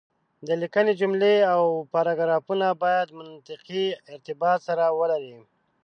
د ليکنې جملې او پاراګرافونه بايد منطقي ارتباط سره ولري.